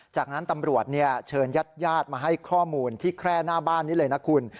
จากนั้นตำรวจเชิญญาติมาให้ข้อมูลที่แคร่หน้าบ้านนี้เลยนะคุณ